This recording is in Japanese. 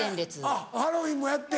あっハロウィーンもやって。